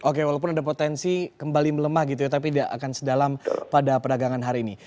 oke walaupun ada potensi kembali melemah gitu ya tapi tidak akan sedalam pada perdagangan hari ini